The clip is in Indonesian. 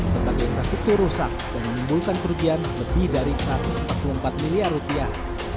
berbagai infrastruktur rusak dan menimbulkan kerugian lebih dari satu ratus empat puluh empat miliar rupiah